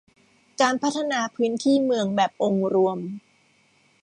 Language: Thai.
การพัฒนาพื้นที่เมืองแบบองค์รวม